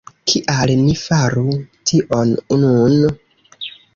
Kial ni faru tion nun?